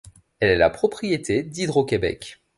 Elle est la propriété d'Hydro-Québec.